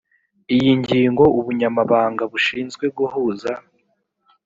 iyi ngingo ubunyamabanga bushinzwe guhuza